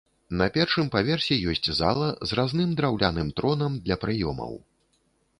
На першым паверсе ёсць зала з разным драўляным тронам для прыёмаў.